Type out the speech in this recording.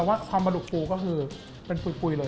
แต่ว่าความบลุกปูก็คือเป็นปุ๋ยเลย